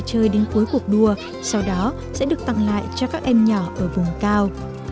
chơi đến cuối cuộc đua sau đó sẽ được tặng lại cho các em nhỏ ở vùng cao